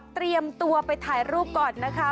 เตรียมตัวไปถ่ายรูปก่อนนะคะ